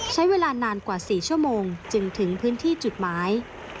ใช้เวลานานกว่า๔ชั่วโมงจึงถึงพื้นที่จุดหมาย